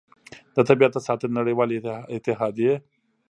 د طبیعت د ساتنې نړیوالې اتحادیې